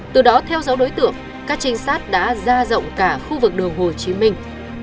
từ đó theo dấu đối tượng các trinh sát đã ra rộng cả khu vực đường hồ chí minh